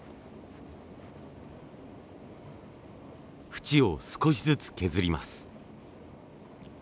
縁を少しずつ削ります。